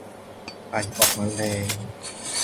ไอออกมาแรง